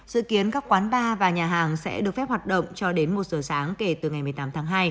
dự kiến các quán bar và nhà hàng sẽ được phép hoạt động cho đến một giờ sáng kể từ ngày một mươi tám tháng hai